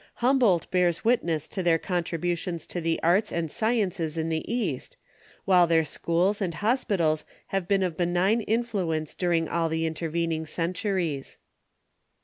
Humboldt bears witness to their contribu tions to the arts and sciences in the East, while their schools and hospitals have been of benign influence during all the intervening centuries.